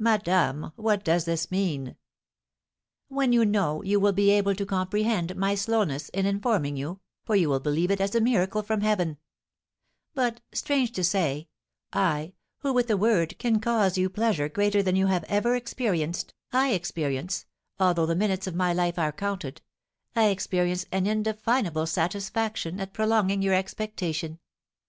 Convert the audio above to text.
"Madame, what does this mean?" "When you know, you will be able to comprehend my slowness in informing you, for you will view it as a miracle from heaven; but, strange to say, I, who with a word can cause you pleasure greater than you have ever experienced, I experience, although the minutes of my life are counted, I experience an indefinable satisfaction at prolonging your expectation.